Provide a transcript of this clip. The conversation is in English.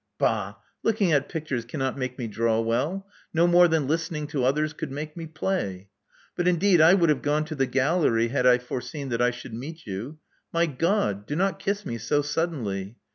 Bah! Looking at pictures cannot make me draw well, no more than listening to others could make me play. But indeed I would have gone to the gallery had I foreseen that I should meet you. My Grod! do not kiss me so suddenly.